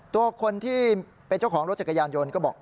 ตัวคนที่เป็นเจ้าของรถจักรยานยนต์ก็บอก